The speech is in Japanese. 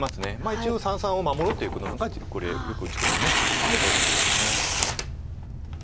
一応三々を守ろうということこれよく打ち込みを使う手ですよね。